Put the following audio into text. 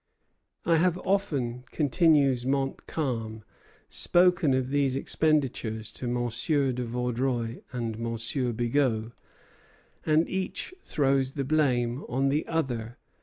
"I have often," continues Montcalm, "spoken of these expenditures to M. de Vaudreuil and M. Bigot; and each throws the blame on the other."